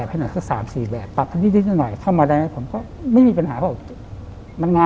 ผมบอกว่านั้นมากี่โมง